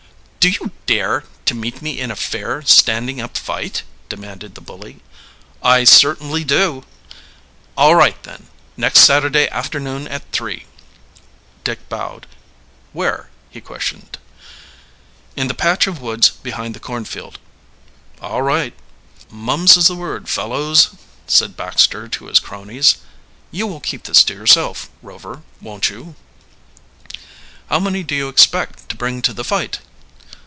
"Do you dare to meet me in a fair, standing up fight?" demanded the bully. "I certainly do." "All right, then. Next Saturday afternoon at three." Dick bowed. "Where?" he questioned. "In the patch of woods behind the cornfield." "All right." "Mums is the word, fellows," said Baxter to his cronies. "You will keep this to yourself, Rover, won't you?" "How many do you expect to bring to the fight?"